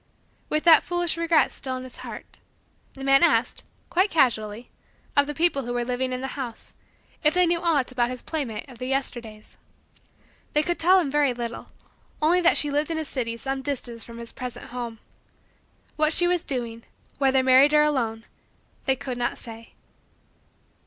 With that foolish regret still in his heart, the man asked, quite casually, of the people who were living in the house if they knew aught about his playmate of the Yesterdays. They could tell him very little; only that she lived in a city some distance from his present home. What she was doing; whether married or alone; they could not say.